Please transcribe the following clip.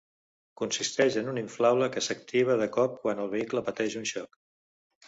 Consisteix en un inflable que s'activa de cop quan el vehicle pateix un xoc.